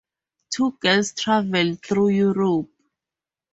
Two girls travel through Europe.